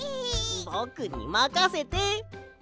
ぼくにまかせて！